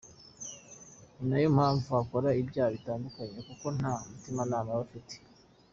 Ni na yo mpamvu akora ibyaha bitandukanye kuko nta mutimanama aba afite."